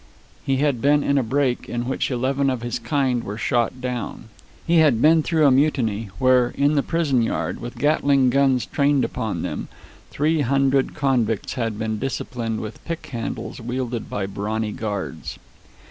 He had been in a break in which eleven of his kind were shot down. He had been through a mutiny, where, in the prison yard, with gatling guns trained upon them, three hundred convicts had been disciplined with pick handles wielded by brawny guards.